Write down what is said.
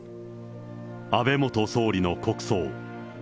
安倍元総理の国葬。